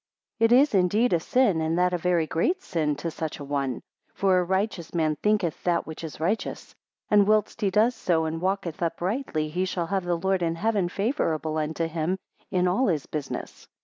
10 It is indeed a sin, and that a very great sin, to such a one; for a righteous man thinketh that which is righteous. And whilst he does so, and walketh uprightly, he shall have the Lord in heaven favourable unto him in all his business.